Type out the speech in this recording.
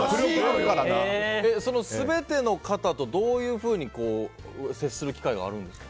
全ての方とどういうふうに接する機会があるんですか？